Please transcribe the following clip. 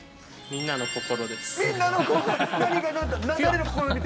みんなの心。